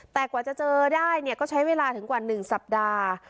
แต่กว่าจะเจอได้เนี่ยก็ใช้เวลาถึงกว่า๑สัปดาห์